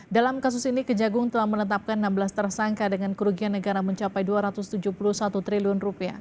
dalam kasus ini kejagung telah menetapkan enam belas tersangka dengan kerugian negara mencapai rp dua ratus tujuh puluh satu triliun